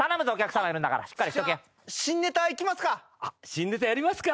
新ネタやりますか。